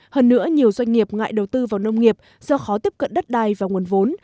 hơn nữa nhiều doanh nghiệp ngại đầu tư vào nông nghiệp do khó tiếp cận đất đai và nguồn vốn